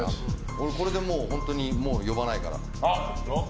俺、これで本当に呼ばないから。